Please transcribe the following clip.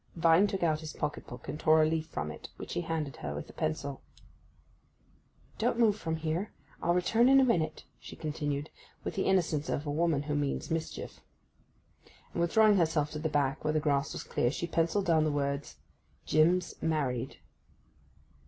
Vine took out his pocket book and tore a leaf from it, which he handed her with a pencil. 'Don't move from here—I'll return in a minute,' she continued, with the innocence of a woman who means mischief. And, withdrawing herself to the back, where the grass was clear, she pencilled down the words 'JIM'S MARRIED.